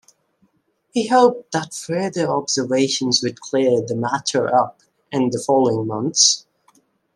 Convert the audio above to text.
He hoped that further observations would clear the matter up in the following months.